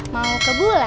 mau ke gulang